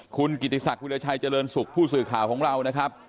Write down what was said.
คุณกิติศักดิราชัยเจริญสุขผู้สื่อข่าวของเรานะครับ